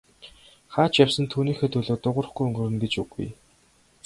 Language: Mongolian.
Хаа ч явсан түүнийхээ төлөө дуугарахгүй өнгөрнө гэж үгүй.